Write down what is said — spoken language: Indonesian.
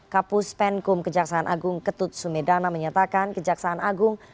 kapus penkum kejaksaan agung ketut sumedana menyatakan kejaksaan agung